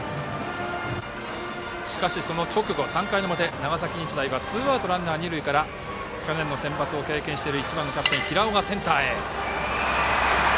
しかし、その直後３回の表、長崎日大はツーアウトランナー、二塁から去年のセンバツを経験している１番キャプテン平尾がセンターへ。